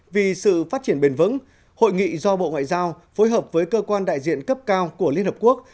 vì sự phát triển bền vững hội nghị do bộ ngoại giao phối hợp với cơ quan đại diện cấp cao của liên hợp quốc